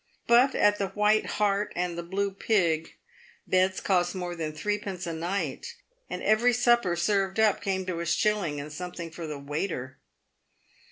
But, at the "White Hart and the Blue Pig, beds cost more than threepence a night, and every supper served up came to a shilling, and something for the waiter.